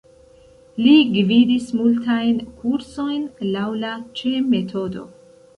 Li gvidis multajn kursojn laŭ la Cseh-metodo.